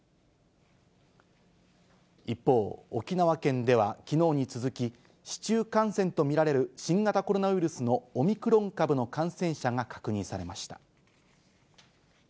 一方、沖縄県ではきのうに続き、市中感染と見られる、新型コロナウイルスのオミクロン株の感染者が確認されました。